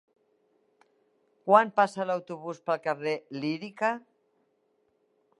Quan passa l'autobús pel carrer Lírica?